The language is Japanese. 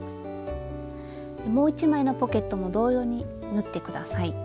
もう一枚のポケットも同様に縫って下さい。